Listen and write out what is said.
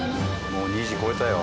もう２時越えたよ。